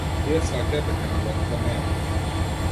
Тие сфаќаат дека работата не оди.